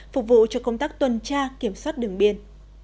phục vụ cho công tác tuần tra kiểm soát đường biên